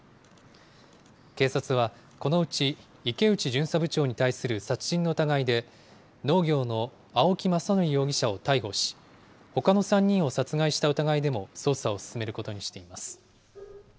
警察はこのうち池内巡査部長に対する殺人の疑いで、農業の青木政憲容疑者を逮捕し、ほかの３人を殺害した疑いでも捜査を進めることにしています。